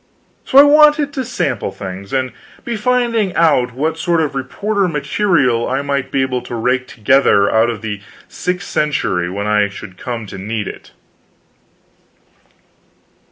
So I wanted to sample things, and be finding out what sort of reporter material I might be able to rake together out of the sixth century when I should come to need it.